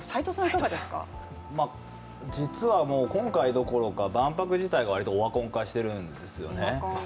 実は今回どころか、万博自体が実はオワコン化してるんですよね。